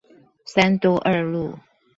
三多二路